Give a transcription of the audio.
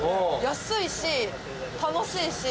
安いし楽しいし。